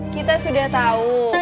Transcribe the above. kita sudah tahu